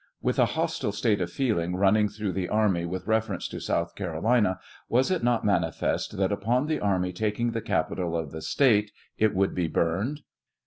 With a hostile state of feeling running through the army with reference to South Carolina, was it not manifest that upon the army taking the capital of the State it would be burned